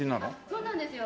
そうなんですよ。